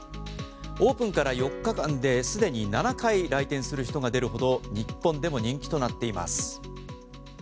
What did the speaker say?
オープンから４日間で既に７回来店する人が出るほど日本でも人気となっています。